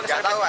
gak tahu pak